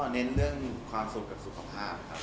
เน้นเรื่องความสุขกับสุขภาพครับ